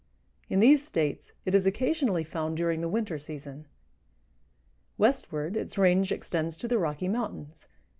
In these States it is occasionally found during the winter season. Westward its range extends to the Rocky Mountains.